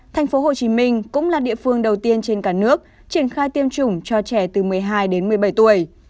thành phố hồ chí minh cũng là địa phương đầu tiên trên cả nước triển khai tiêm chủng cho trẻ từ một mươi hai đến một mươi bảy tuổi